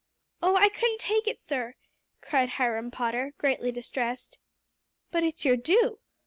"Oh, I couldn't take it, sir," cried Hiram Potter, greatly distressed. "But it's your due.